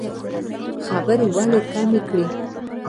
خبرې ولې کمې کړو؟